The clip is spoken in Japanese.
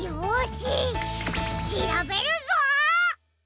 しらべるぞっ！